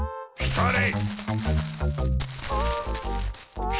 それ！